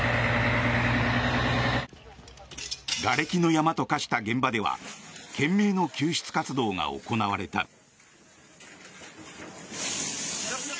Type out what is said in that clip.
がれきの山と化した現場では懸命な救出活動が行われた。